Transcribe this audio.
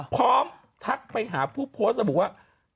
พร้อมทักไปหาผู้โพสต์สมมุติว่า